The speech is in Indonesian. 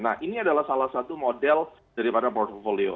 nah ini adalah salah satu model daripada portfolio